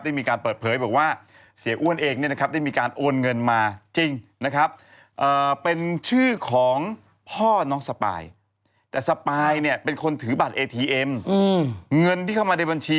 ได้มีเปิดเผยว่าเสียอ้วนเองได้มีการโอนเงินมา